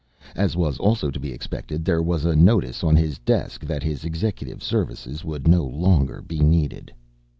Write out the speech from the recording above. As was also to be expected, there was a notice on his desk that his executive services would no longer be needed.